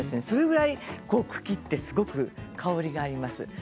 そのぐらい茎ってすごく香りがあります。